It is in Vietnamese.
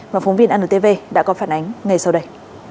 và phóng viên antv đã có phản ánh ngay sau đây